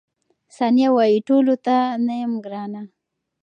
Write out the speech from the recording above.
ثانیه وايي، ټولو ته نه یم ګرانه.